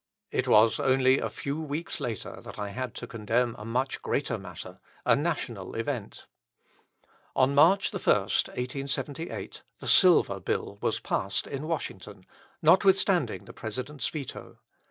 It was only a few weeks later that I had to condemn a much greater matter, a national event. On March 1, 1878, the Silver Bill was passed in Washington, notwithstanding the President's veto.